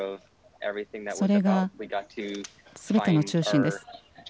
それがすべての中心です。